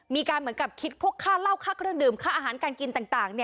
เหมือนกับคิดพวกค่าเหล้าค่าเครื่องดื่มค่าอาหารการกินต่าง